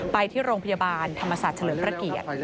ไปที่โรงพยาบาลธรรมศาสตร์เฉลิมพระเกียรติ